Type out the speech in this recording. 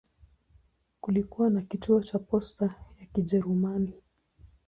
Kulikuwa na kituo cha posta ya Kijerumani.